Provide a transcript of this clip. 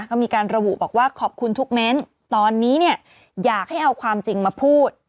ก็มีการระบุบอกว่าขอบคุณทุกเม้นตอนนี้เนี่ยอยากให้เอาความจริงมาพูด